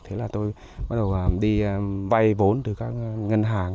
thế là tôi bắt đầu đi vay vốn từ các ngân hàng